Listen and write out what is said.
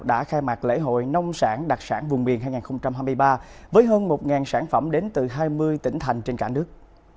đã khai mạc lễ hội nông sản đặc sản vùng miền hai nghìn hai mươi ba với hơn một sản phẩm đến từ hai mươi tỉnh thành trên cả nước